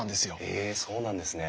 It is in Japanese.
へえそうなんですね。